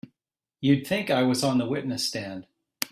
You'd think I was on the witness stand!